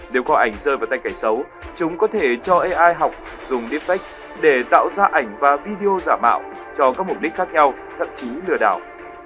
nếu kho ảnh rơi vào tay kẻ xấu chúng có thể cho ai học dùng defect để tạo ra ảnh và video giả mạo cho các mục đích khác nhau thậm chí lừa đảo